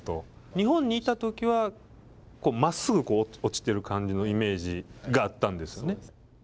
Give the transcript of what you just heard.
日本にいたときはまっすぐ落ちている感じのイメージがあったんですよね。